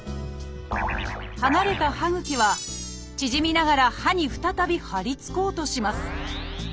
剥がれた歯ぐきは縮みながら歯に再びはりつこうとします。